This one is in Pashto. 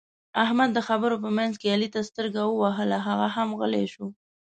احمد د خبرو په منځ کې علي ته سترګه ووهله؛ هغه هم غلی شو.